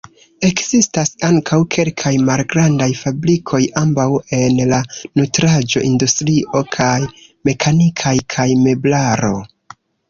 Ekzistas ankaŭ kelkaj malgrandaj fabrikoj, ambaŭ en la nutraĵo-industrio kaj mekanikaj kaj meblaro.